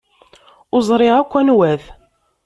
Ur ẓriɣ akk anwa-t.